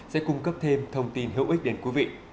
sẽ cung cấp thêm thông tin hữu ích đến quý vị